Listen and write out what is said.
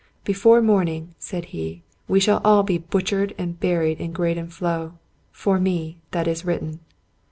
" Before morning," said he, " we shall all be butchered and buried in Graden Floe. For me, that is written."